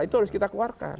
itu harus kita keluarkan